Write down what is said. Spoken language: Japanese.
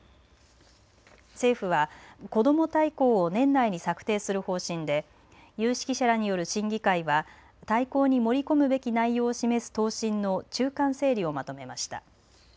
政府はこども大綱を年内に策定する方針で有識者らによる審議会は大綱に盛り込むべき内容を示す答申の中間整理をまとめました。